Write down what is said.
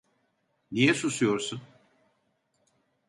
Niye susuyorsun?